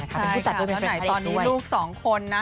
เป็นผู้จัดด้วยเป็นเพื่อนประเอกด้วยใช่ค่ะตอนนี้ลูกสองคนน่ะ